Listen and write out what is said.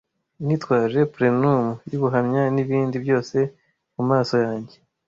Nitwaje plenum yubuhamya nibindi byose mumaso yanjye,